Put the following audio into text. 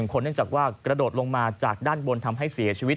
คนเนื่องจากว่ากระโดดลงมาจากด้านบนทำให้เสียชีวิต